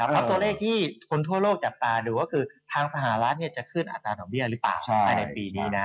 ปรับตัวเลขที่คนทั่วโลกจัดป่าดูว่าคือทางสหราชจะขึ้นอัตราหน่อเบี้ยหรือเปล่าในปีนี้นะ